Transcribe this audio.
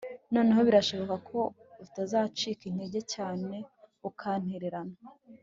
noneho birashoboka ko utazacika intege cyane ukantererana